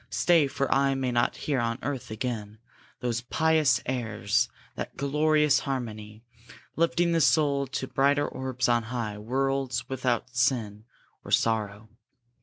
Stay, for I may not hear on earth again Those pious airs that glorious harmony; Lifting the soul to brighter orbs on high, Worlds without sin or sorrow!